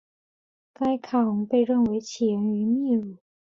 该卡洪被认为起源于秘鲁。